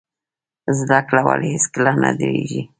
زده کړه ولې هیڅکله نه دریږي؟